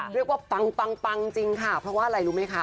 เรียกว่าปังปังปังจริงค่ะเพราะว่าอะไรรู้มั้ยคะ